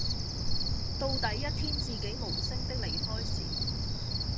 到底一天自己無聲的離開時